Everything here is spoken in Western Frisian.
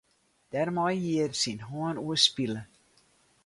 Dêrmei hied er syn hân oerspile.